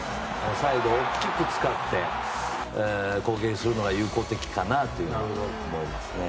サイドを大きく使って攻撃するのが有効的かなと思いますね。